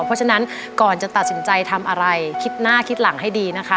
เพราะฉะนั้นก่อนจะตัดสินใจทำอะไรคิดหน้าคิดหลังให้ดีนะคะ